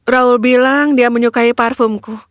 raul bilang dia menyukai parfumku